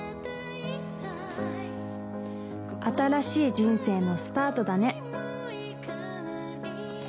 新しい人生のスタートだね。